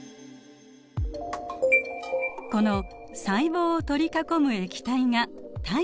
この細胞を取り囲む液体が体液です。